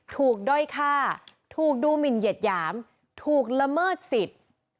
ด้อยฆ่าถูกดูหมินเหยียดหยามถูกละเมิดสิทธิ์